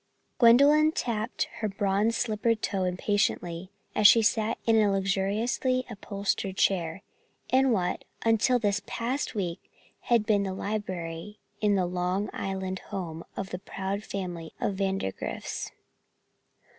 Gwendolyn tapped her bronze slippered toe impatiently as she sat in a luxuriously upholstered chair in what, until this past week, had been the library in the Long Island home of the proud family of Vandergrifts.